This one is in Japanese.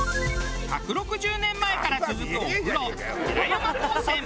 １６０年前から続くお風呂。